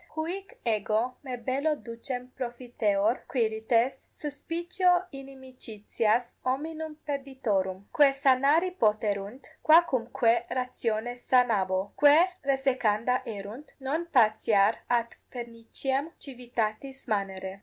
Huic ego me bello ducem profiteor, Quirites, suscipio inimicitias hominum perditorum: quae sanari poterunt, quacumque ratione sanabo; quae resecanda erunt, non patiar ad perniciem civitatis manere.